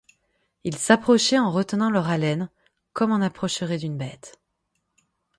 ils s’approchaient en retenant leur haleine, comme on approcherait d’une bête.